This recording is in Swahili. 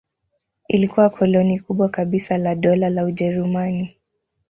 Ilikuwa koloni kubwa kabisa la Dola la Ujerumani.